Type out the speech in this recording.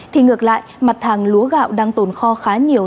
thì ngược lại mặt hàng lúa gạo đang tồn kho khá nhiều